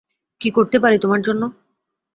কি করতে পারি তোমার জন্য?